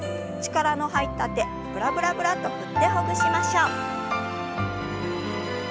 力の入った手ブラブラブラッと振ってほぐしましょう。